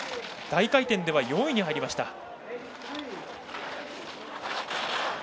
大回転では４位に入りました。